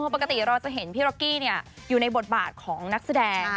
ปกติเราจะเห็นพี่ร็กกี้อยู่ในบทบาทของนักแสดง